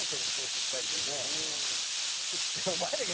しっかりとね。